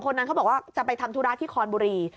นั้นเขาบอกว่าจะไปทำธุระที่คอนบุรี